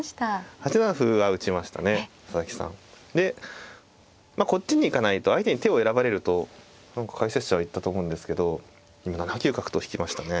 ８七歩は打ちましたね佐々木さん。でまあこっちに行かないと相手に手を選ばれると何か解説者が言ったと思うんですけど今７九角と引きましたね。